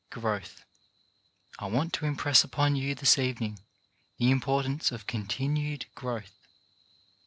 GROWTH I want to impress upon you this evening the importance of continued growth.